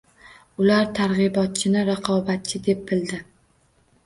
Ular targ‘ibotchini raqobatchi deb bildi.